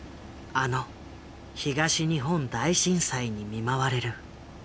あの東日本大震災に見舞われる。